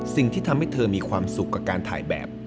สิ่งที่ทำให้เธอมีความสุขกับการถ่ายแบบ